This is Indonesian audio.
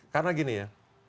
karena begini ya